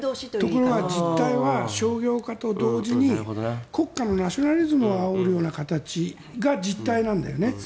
ところが実態は商業化と同時に国家のナショナリズムをあおるような形が実態なんだよね。